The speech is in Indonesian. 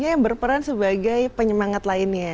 yang berperan sebagai penyemangat lainnya